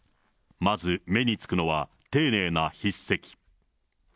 まず目につくのは、丁寧な筆跡。